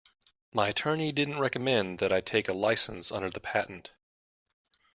My attorney didn't recommend that I take a licence under the patent.